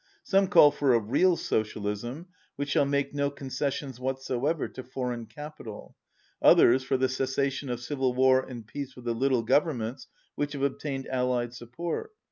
Some call for "a real socialism," which shall make no concessions whatsoever to foreign capital, others for the cessation of civil war and peace with the little governments which have obtained Allied support.